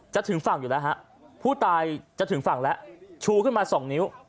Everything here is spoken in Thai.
ถึงฝั่งอยู่แล้วฮะผู้ตายจะถึงฝั่งแล้วชูขึ้นมาสองนิ้ว